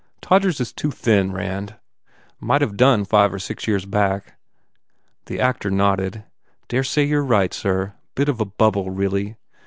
... Todgers is too thin, Rand. Might have done five or six years back." The actor nodded. "Dare say you re right, sir. Bit of a bubble, really.